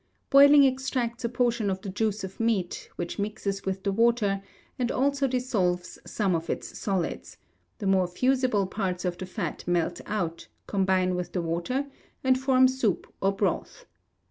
Boiling extracts a portion of the juice of meat, which mixes with the water, and also dissolves some of its solids; the more fusible parts of the fat melt out, combine with the water, and form soup or broth.